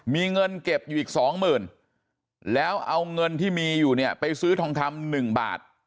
มีเงินเก็บอยู่อีกสองหมื่นแล้วเอาเงินที่มีอยู่เนี่ยไปซื้อทองคำ๑บาท